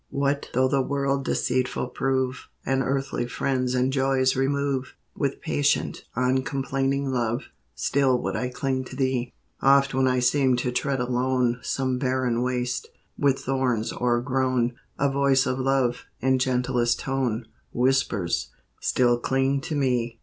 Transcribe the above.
What though the world deceitful prove, And earthly friends and joys remove; With patient, uncomplaining love, Still would I cling to Thee. Oft when I seem to tread alone Some barren waste, with thorns o'ergrown, A voice of love, in gentlest tone, Whispers, " Still cling to Me."